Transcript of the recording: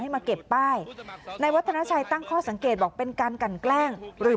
มาเก็บป้ายในวัฒนาชัยตั้งข้อสังเกตบอกเป็นการกันแกล้งหรือ